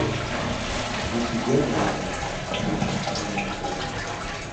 Hy hat syn wjergader net, plichtet men dan te sizzen.